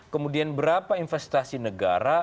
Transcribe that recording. kemudian berapa investasi negara